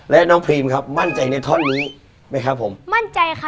และน้องพรีมครับมั่นใจในท่อนนี้ไหมครับผมมั่นใจค่ะ